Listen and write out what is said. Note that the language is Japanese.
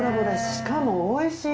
しかも美味しい。